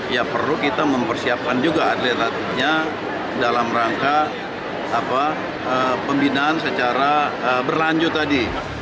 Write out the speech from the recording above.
ya perlu kita mempersiapkan juga atlet atletnya dalam rangka pembinaan secara berlanjut tadi